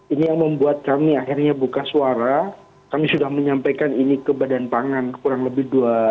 ini yang membuat kami akhirnya buka suara kami sudah menyampaikan ini ke badan pangan kurang lebih